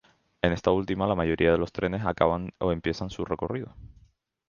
En esta última la mayoría de los trenes acaban o empiezan su recorrido.